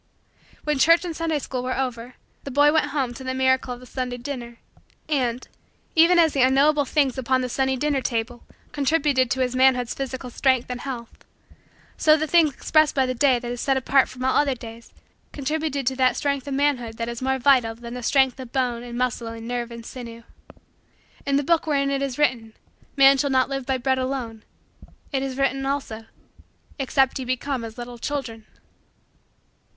When church and Sunday school were over the boy went home to the miracle of the Sunday dinner. And, even as the unknowable things upon the Sunday dinner table contributed to his manhood's physical strength and health, so the things expressed by the day that is set apart from all other days contributed to that strength of manhood that is more vital than the strength of bone and muscle and nerve and sinew. In the book wherein it is written: "Man shall not live by bread alone," it is written, also: "Except ye become as little children."